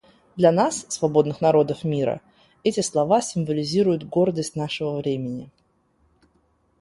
Для нас, свободных народов мира, эти слова символизируют гордость нашего времени.